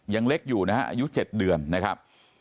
ยังเล็กอยู่นะฮะอายุ๗เดือนนะครับ